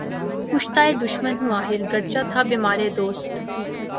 کُشتۂ دشمن ہوں آخر، گرچہ تھا بیمارِ دوست